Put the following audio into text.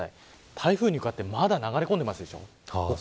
台風に向かってまだ流れ込んでいます。